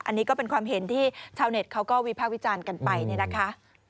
อันนี้ก็เป็นความเห็นที่ชาวเน็ตเขาก็วิภาควิจารณ์กันไปเนี่ยนะคะ